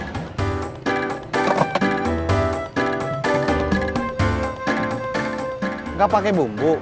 enggak pakai bumbu